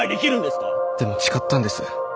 でも誓ったんです。